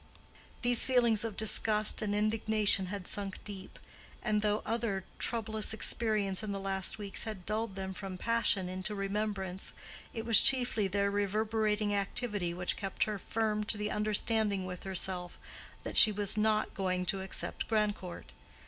These feelings of disgust and indignation had sunk deep; and though other troublous experience in the last weeks had dulled them from passion into remembrance, it was chiefly their reverberating activity which kept her firm to the understanding with herself, that she was not going to accept Grandcourt.